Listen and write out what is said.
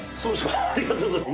ありがとうございます。